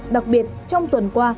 đặc biệt trong tuần qua